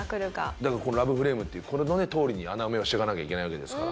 だからラブフレームっていうこれのとおりに穴埋めをしていかなきゃいけないわけですから。